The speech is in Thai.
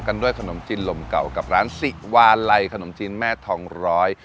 ด้วยขนมจีนลมเก่ากับร้านสิวาลัยขนมจีนแม่ทองร้อย